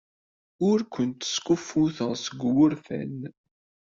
Ur kent-skuffuteɣ seg wurfan.